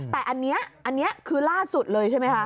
แต่อันนี้คือล่าสุดเลยใช่มั้ยค่ะ